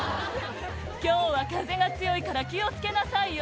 「今日は風が強いから気を付けなさいよ」